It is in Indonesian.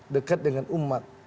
dekat dengan umat